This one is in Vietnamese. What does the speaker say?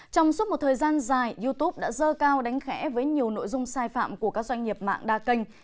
trong suốt một thời gian dài youtube đã dơ cao đánh khẽ với nhiều nội dung sai phạm của các doanh nghiệp mạng đa kênh